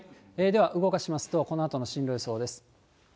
では、動かしますと、このあとの進路予想です。